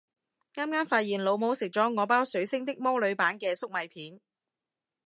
啱啱發現老母食咗我包水星的魔女版嘅粟米片